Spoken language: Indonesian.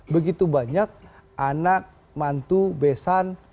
begitu banyak anak mantu besan